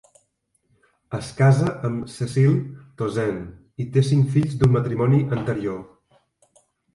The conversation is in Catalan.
Es casa amb Cecile Tauzin i té cinc fills d'un matrimoni anterior.